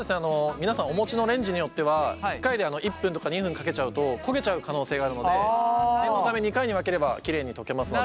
皆さんお持ちのレンジによっては１回で１分とか２分かけちゃうと焦げちゃう可能性があるので念のため２回に分ければきれいに溶けますので。